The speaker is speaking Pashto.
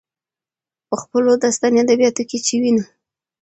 په خپلو داستاني ادبياتو کې چې وينو،